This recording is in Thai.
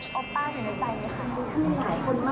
สวัสดีค่ะสวัสดีค่ะ